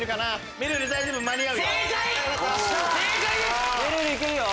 めるるいけるよ！